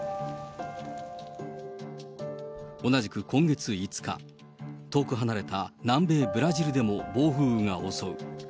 同じく今月５日、遠く離れた南米ブラジルでも暴風雨が襲う。